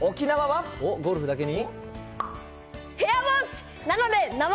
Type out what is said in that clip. ゴルフだけに？